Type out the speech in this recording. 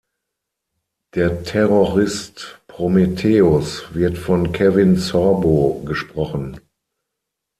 Der Terrorist Prometheus wird von Kevin Sorbo gesprochen.